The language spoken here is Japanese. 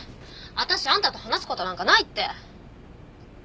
私あんたと話す事なんかないって！